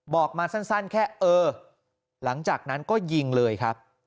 บอกมาสั้นแค่เออหลังจากนั้นก็ยิงเลยครับ